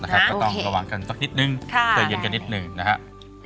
ก็ต้องระวังกันสักนิดนึงใจเย็นกันนิดหนึ่งนะครับ